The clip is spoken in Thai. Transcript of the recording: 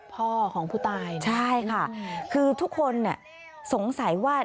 พ่อของผู้ตายใช่ค่ะคือทุกคนสงสัยว่า